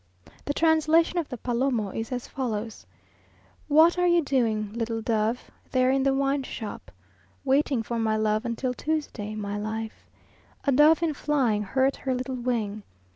The translation of the Palomo is as follows: "What are you doing, little dove, there in the wineshop? Waiting for my love until Tuesday, my life. A dove in flying hurt her little wing.